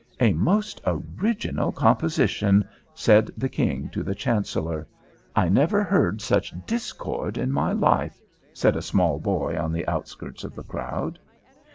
"A most original composition!" said the King to the Chancellor. "I never heard such discord in my life," said a small boy on the outskirts of the crowd.